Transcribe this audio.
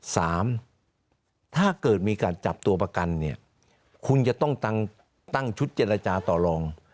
ถ้าเกิดมีการจับตัวประกันเนี่ยคุณจะต้องตั้งชุดเจรจาต่อลอง